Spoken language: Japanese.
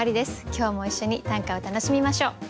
今日も一緒に短歌を楽しみましょう。